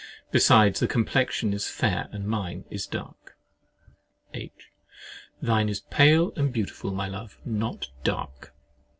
Besides, the complexion is fair, and mine is dark. H. Thine is pale and beautiful, my love, not dark!